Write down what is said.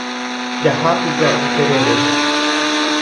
Jahápy ja'u terere